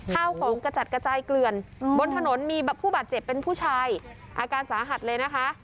ข้าวของกระจัดกระจายเกลื่อนบนถนนมีผู้บาดเจ็บเป็นผู้ชายอาการสาหัสเลยนะคะ